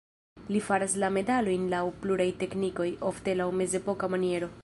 Li faras la medalojn laŭ pluraj teknikoj, ofte laŭ mezepoka maniero.